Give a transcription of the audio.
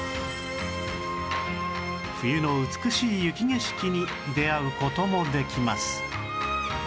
冬の美しい雪景色に出会う事もできます